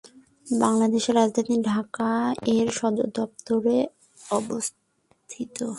বাংলাদেশের রাজধানী ঢাকায় এর সদরদপ্তর অবস্থিত।